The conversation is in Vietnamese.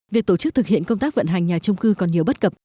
việc tổ chức thực hiện công tác vận hành nhà trung cư còn nhiều bất cập